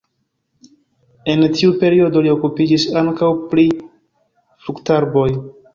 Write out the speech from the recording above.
En tiu periodo li okupiĝis ankaŭ pri fruktarboj.